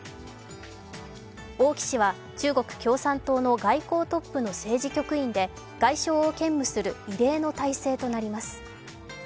王毅氏は中国共産党の外交トップの政治局員で外相を兼務する異例の体制となります。